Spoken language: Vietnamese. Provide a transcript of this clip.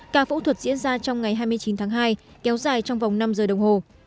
ca phẫu thuật diễn ra trong ngày hai mươi chín tháng hai kéo dài trong vòng năm giờ đồng hồ